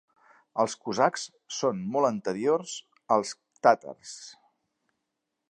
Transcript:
Els cosacs són molt anteriors als tàtars.